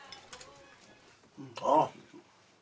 あっ！